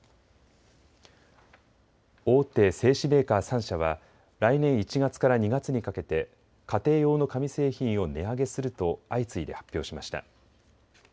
大手製紙メーカー３社は来年１月から２月にかけて家庭用の紙製品を値上げすると相次いで発表しました。